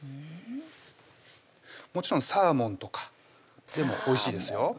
もちろんサーモンとかでもおいしいですよ